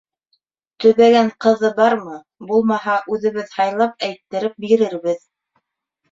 Төбәгән ҡыҙы бармы, булмаһа, үҙебеҙ һайлап әйттереп бирербеҙ.